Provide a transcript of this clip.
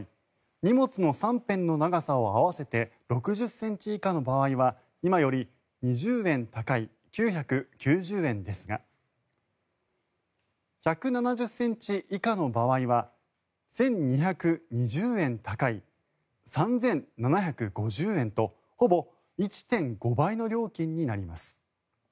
荷物の３辺の長さを合わせて６０ｃｍ以下の場合は今より２０円高い９９０円ですが１７０ｃｍ以下の場合は１２２０円高い３７５０円とほぼ１．５倍の料金になります。